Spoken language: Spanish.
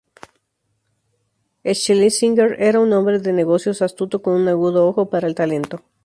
Schlesinger era un hombre de negocios astuto con un agudo ojo para el talento.